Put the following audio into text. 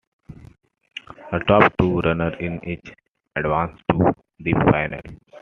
The top two runners in each advanced to the final.